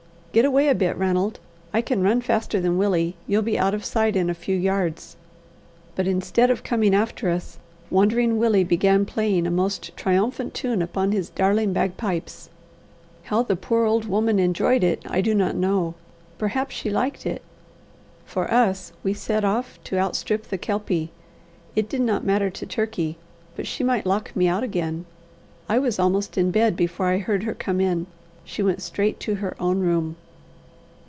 "Get away a bit, Ranald. I can run faster than Willie. You'll be out of sight in a few yards." But instead of coming after us, Wandering Willie began playing a most triumphant tune upon his darling bagpipes. How the poor old woman enjoyed it, I do not know. Perhaps she liked it. For us, we set off to outstrip the Kelpie. It did not matter to Turkey, but she might lock me out again. I was almost in bed before I heard her come in. She went straight to her own room.